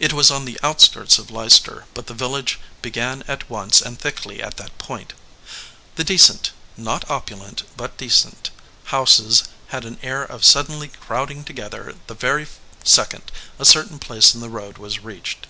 It was on the outskirts of Leicester, but the village began at once and thickly at that point. The decent not opulent, but decent houses had an air of suddenly crowding together the very second a certain place in the road was reached.